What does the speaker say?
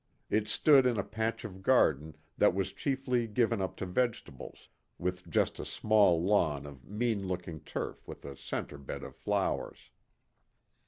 It stood in a patch of garden that was chiefly given up to vegetables, with just a small lawn of mean looking turf with a centre bed of flowers.